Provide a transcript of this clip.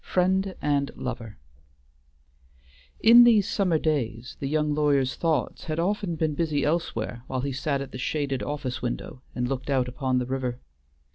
XIX FRIEND AND LOVER In these summer days the young lawyer's thoughts had often been busy elsewhere while he sat at the shaded office window and looked out upon the river.